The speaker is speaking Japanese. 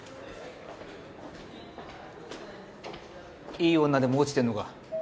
いい女でも落ちてんのか？